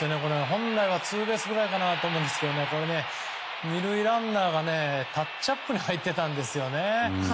本来はツーベースくらいかなと思うんですが２塁ランナーがタッチアップに入っていたんですね。